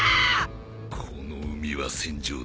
この海は戦場だ。